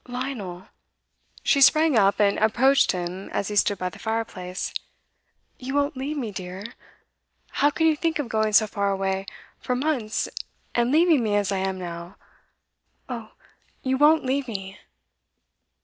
'Lionel!' She sprang up and approached him as he stood by the fireplace. 'You won't leave me, dear? How can you think of going so far away for months and leaving me as I am now? Oh, you won't leave me!